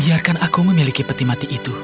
biarkan aku memiliki peti mati itu